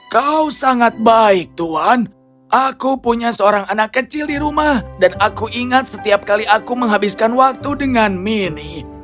kau sangat baik tuhan aku punya seorang anak kecil di rumah dan aku ingat setiap kali aku menghabiskan waktu dengan mini